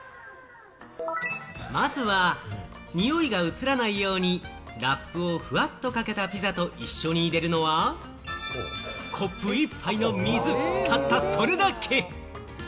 まずは、においが移らないようにラップをフワッとかけたピザと一緒に入れるのは、コップ１杯の水、たったそれだけ。